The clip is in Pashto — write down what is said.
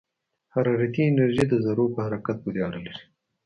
حرارتي انرژي د ذرّو په حرکت پورې اړه لري.